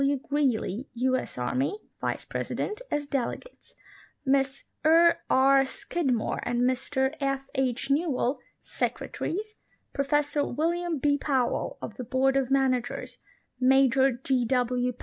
W. Greely, U. S. Army, Vice President, as delegates ; Miss E. R. Scid more and Mr F. H. Newell, Secretaries; Professor William B Powell, of the Bqard of Managers ; Major J. W.